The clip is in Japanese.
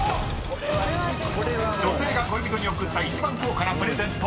［女性が恋人に贈った一番高価なプレゼント］